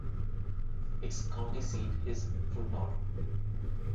Its county seat is Fulton.